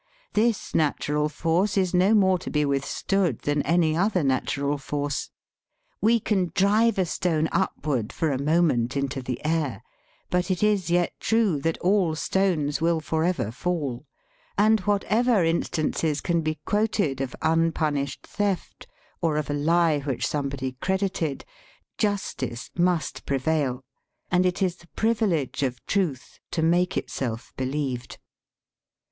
This natural force is no more to be withstood than any other natural force. We can drive a stone upward for a moment into the air, but it is yet true that all stones will forever fall ; and whatever instances can be quoted of un punished theft, or of a lie which somebody credited, justice must prevail, and it is the privilege of truth to make itself believed.